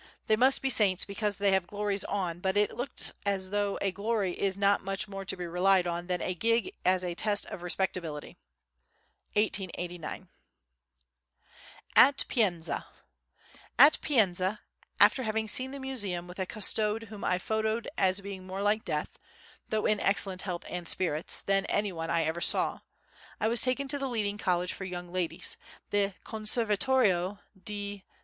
They must be saints because they have glories on, but it looks as though a glory is not much more to be relied on than a gig as a test of respectability. [1889.] At Pienza At Pienza, after having seen the Museum with a custode whom I photoed as being more like death, though in excellent health and spirits, than any one I ever saw, I was taken to the leading college for young ladies, the Conservatorio di S.